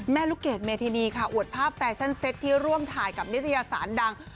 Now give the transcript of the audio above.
ลูกเกดเมธินีค่ะอวดภาพแฟชั่นเซ็ตที่ร่วมถ่ายกับนิตยสารดัง